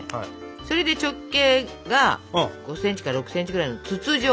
それで直径が５ｃｍか６ｃｍぐらいの筒状。